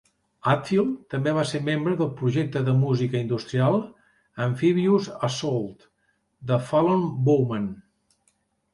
Atfield també va ser membre del projecte de música industrial Amphibious Assault de Fallon Bowman.